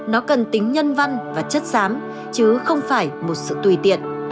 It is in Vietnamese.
nó cần tính nhân văn và chất xám chứ không phải một sự tùy tiện